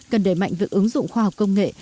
cần đẩy mạnh việc ứng dụng khoa học công nghệ